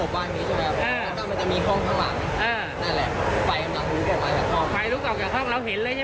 ใช่มั้ยใช่